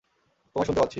তোমায় শুনতে পাচ্ছি।